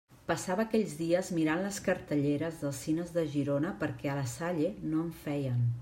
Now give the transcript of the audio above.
Passava aquells dies mirant les cartelleres dels cines de Girona perquè a la Salle no en feien.